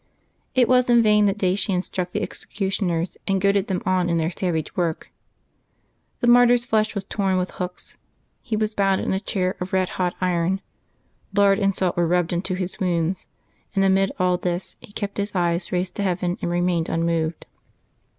It was in vain that Dacian struck the executioners and goaded them on in their savage work. The martyr's flesh was torn with hooks; he was bound in a chair of red hot iron ; lard and salt were rubbed into his wounds ; and amid all this he kept his eyes raised to heaven, and remained unmoved.